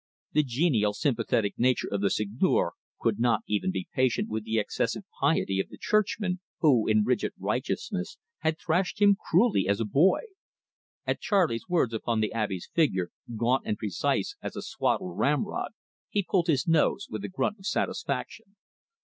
The genial, sympathetic nature of the Seigneur could not even be patient with the excessive piety of the churchman, who, in rigid righteousness, had thrashed him cruelly as a boy. At Charley's words upon the Abbe's figure, gaunt and precise as a swaddled ramrod, he pulled his nose with a grunt of satisfaction.